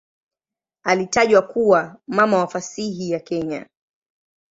Alitajwa kuwa "mama wa fasihi ya Kenya".